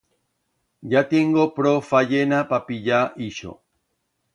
Ya tiengo pro fayena pa pillar ixo.